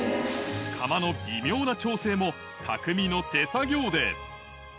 窯の微妙な調整もたくみの手作業で。